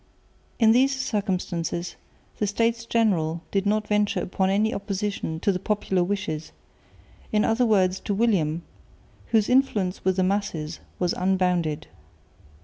In these circumstances the States General did not venture upon any opposition to the popular wishes, in other words to William, whose influence with the masses was unbounded.